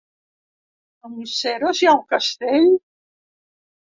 A Museros hi ha un castell?